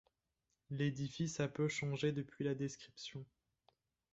L'édifice a peu changé depuis la description.